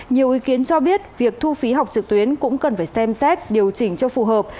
nhiều ý kiến cho biết việc thu phí học trực tuyến cũng cần phải xem xét điều chỉnh cho phù hợp